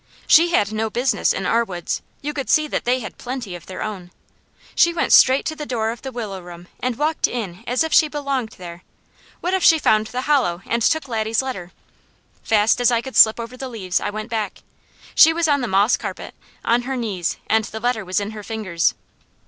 She had no business in our woods; you could see that they had plenty of their own. She went straight to the door of the willow room and walked in as if she belonged there. What if she found the hollow and took Laddie's letter! Fast as I could slip over the leaves, I went back. She was on the moss carpet, on her knees, and the letter was in her fingers.